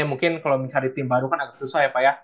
mungkin kalau mencari tim baru kan agak susah ya pak ya